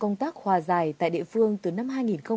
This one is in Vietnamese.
công tác hòa giải tại địa phương từ năm hai nghìn bốn